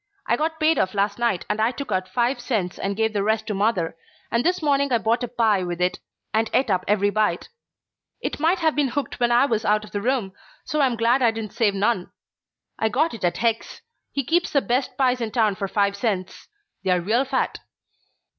I got paid off last night and I took out five cents and gave the rest to mother, and this morning I bought a pie with it and et up every bite. It might have been hooked when I was out the room, so I'm glad I didn't save none. I got it at Heck's. He keeps the best pies in town for five cents. They're real fat."